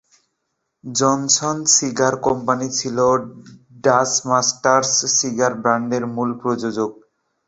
Johnson cigar company ছিল Dutch Masters cigar ব্র্যান্ডের মূল প্রযোজক।